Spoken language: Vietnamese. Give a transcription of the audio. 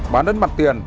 bán đất mặt tiền